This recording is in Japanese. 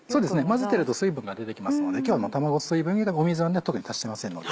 混ぜてると水分が出てきますので今日は卵水は特に足してませんので。